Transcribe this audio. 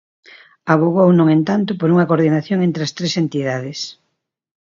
Avogou, no entanto, por unha coordinación entre as tres entidades.